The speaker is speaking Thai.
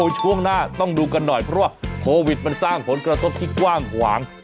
ช่วงหน้าต้องดูกันหน่อยเพราะว่าโควิดมันสร้างผลกระทบที่กว้างขวาง